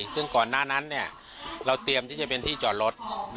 ซึ่งก่อนหน้านั้นเราเตรียมที่จะเป็นที่จอดรถ